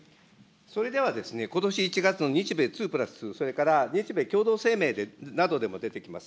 それではですね、ことし１月の日米２プラス２、それから日米共同声明などでも出てきます。